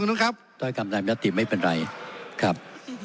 ขอประท้วงครับขอประท้วงครับขอประท้วงครับขอประท้วงครับ